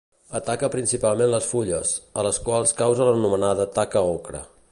Ataca principalment les fulles, a les quals causa l'anomenada taca ocre.